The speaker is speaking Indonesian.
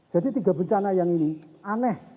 jadi tiga bencana yang ini aneh